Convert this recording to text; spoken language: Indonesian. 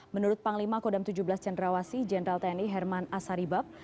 menurut panglima kodam tujuh belas cendrawasi jenderal tni herman asaribab